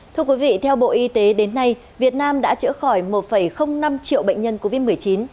thưa quý vị theo bộ y tế đến nay việt nam đã chữa khỏi một năm triệu bệnh nhân covid một mươi chín